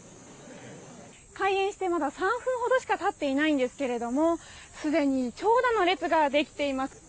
開園してまだ３分ほどしか経っていないんですけれどもすでに長蛇の列ができています。